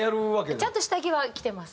ちゃんと下着は着てます。